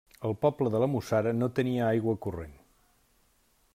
El poble de la Mussara no tenia aigua corrent.